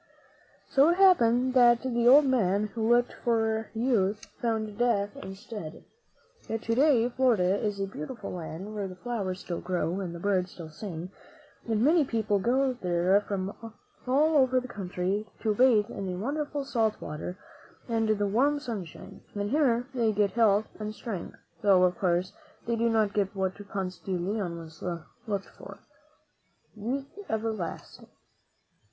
So it happened that the old man who looked for youth found death instead. Yet, to day, Florida is a beautiful land, where the flowers still grow and the birds still sing, and many people go there from all over our country to bathe in the wonderful salt water and the warm sunshine, and here they get health and strength, though, of course, they do not get what Ponce de Leon looked for — youth everlasting.